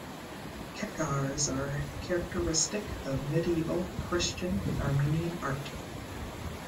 "Khachkars" are characteristic of Medieval Christian Armenian art.